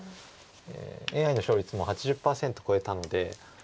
ＡＩの勝率も８０％超えたので。